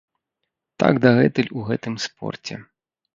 Так дагэтуль у гэтым спорце.